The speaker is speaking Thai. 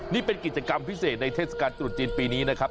นี่เป็นกิจกรรมพิเศษในเทศกาลตรุษจีนปีนี้นะครับ